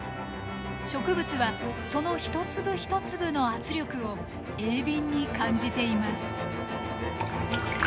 植物はその一粒一粒の圧力を鋭敏に感じています。